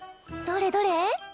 どれどれ？